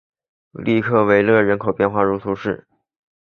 厄克维勒人口变化图示